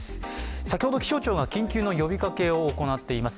先ほど気象庁が緊急の呼びかけを行っています。